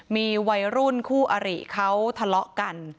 มีวัยรุ่นคู่อริเขาทะเลาะกัน